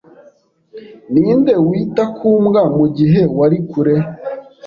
Ninde wita ku mbwa mugihe wari kure?